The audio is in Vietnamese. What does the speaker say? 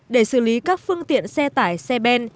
để xử lý các phương tiện xe tải xe ben